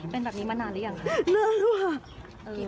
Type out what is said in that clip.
เป็นแบบนี้มาแล้วหรือละครับ